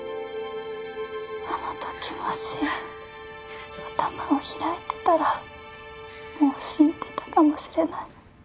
あのときもし頭を開いてたらもう死んでたかもしれない。